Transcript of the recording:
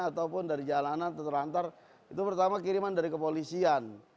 ataupun dari jalanan terlantar itu pertama kiriman dari kepolisian